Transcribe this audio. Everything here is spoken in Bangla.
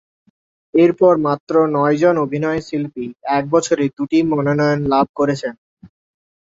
এরপর মাত্র নয়জন অভিনয়শিল্পী এক বছরে দুটি মনোনয়ন লাভ করেছেন।